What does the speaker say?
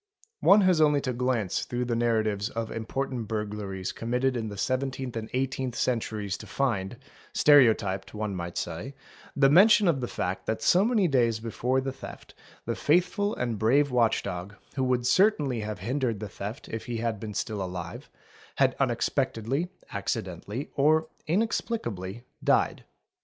| One has only to glance through the narratives of important burglaries committed in the seventeenth and eighteenth centuries to find, stereo typed one might say, the mention of the fact that so many days before the theft the faithful and brave watch dog, who would certainly have hindered the theft if he had been still alive, had unexpectedly, acciden tally, or inexplicably, died.